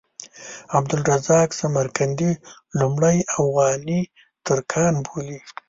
عبدالرزاق سمرقندي لومړی اوغاني ترکان بولي.